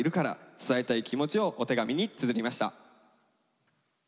伝えたい気持ちをお手紙につづりました。